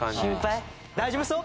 大丈夫そ？